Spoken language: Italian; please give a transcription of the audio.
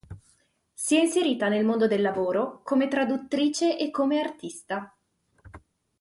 Si è inserita nel mondo del lavoro come traduttrice e come artista.